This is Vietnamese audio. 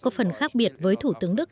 có phần khác biệt với thủ tướng đức